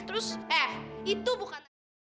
terus eh itu bukan